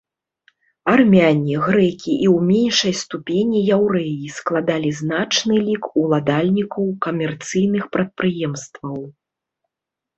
Армяне, грэкі і ў меншай ступені яўрэі складалі значны лік уладальнікаў камерцыйных прадпрыемстваў.